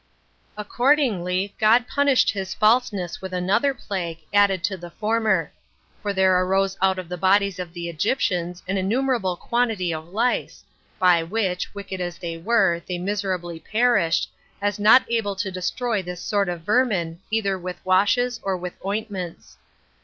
3. Accordingly, God punished his falseness with another plague, added to the former; for there arose out of the bodies of the Egyptians an innumerable quantity of lice, by which, wicked as they were, they miserably perished, as not able to destroy this sort of vermin either with washes or with ointments.